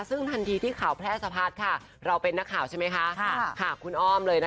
ซึ่งทันทีที่ข่าวแพร่สะพัดค่ะเราเป็นนักข่าวใช่ไหมคะ